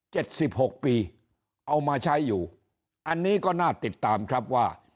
สิบหกปีเอามาใช้อยู่อันนี้ก็น่าติดตามครับว่า